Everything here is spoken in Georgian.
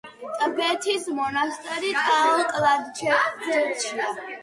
ტბეთის მონასტერი ტაო-კლარჯეთშია